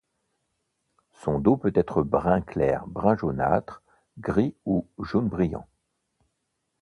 Son dos peut être brun clair, brun jaunâtre, gris ou jaune brillant.